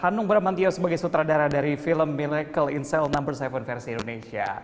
hanung brahmantiaw sebagai sutradara dari film miracle in cell no tujuh versi indonesia